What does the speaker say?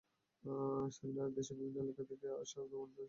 সেমিনারে দেশের বিভিন্ন এলাকা থেকে আসা জামদানি শাড়ি তৈরির কারিগরেরা অংশ নেন।